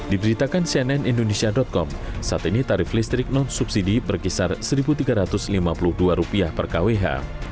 diberitakan cnn indonesia com saat ini tarif listrik non subsidi berkisar rp satu tiga ratus lima puluh dua per kwh